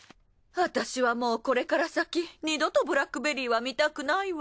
私はもうこれから先二度とブラックベリーは見たくないわ。